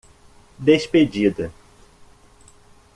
Despedida